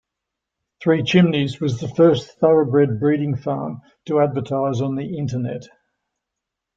Three Chimneys was the first thoroughbred breeding farm to advertise on the Internet.